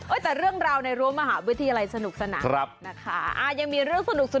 โอ้ยสาเรื่องราวในโรงมาเหาะวิธีอะไรสนุกสนาอีกว่าครับนะคะอ่ายังมีเรื่องสนุก